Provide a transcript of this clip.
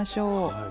はい。